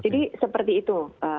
jadi seperti itu